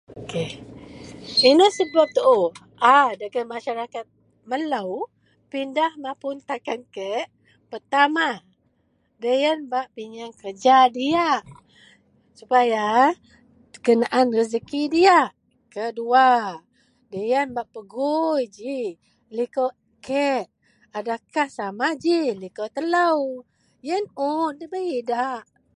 Inou sebab tuu a dagen masarakat melou pidah mapun takan kek. Pertama deloyen bak pinyeang kereja diyak supaya kenaan rejeki diyak. Keduwa deloyen bak pegui geji likou kek, adakah sama ji likou telou. Yen un ndabei idak.